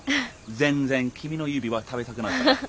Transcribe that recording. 全然君の指は食べたくないから。